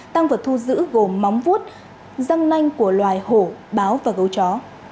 tăng vật thu giữ gồm móng vút răng nanh của loài hổ báo và gấu chó